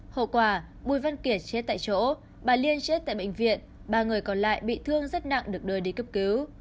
hậu quả bùi văn kiệt chết tại chỗ bà liên chết tại bệnh viện ba người còn lại bị thương rất nặng được đưa đi cấp cứu